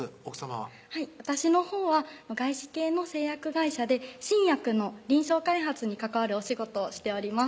はい私のほうは外資系の製薬会社で新薬の臨床開発に関わるお仕事をしております